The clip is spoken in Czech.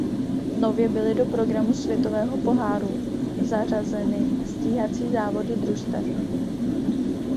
Nově byly do programu světového poháru zařazeny stíhací závody družstev.